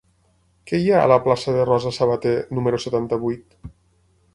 Què hi ha a la plaça de Rosa Sabater número setanta-vuit?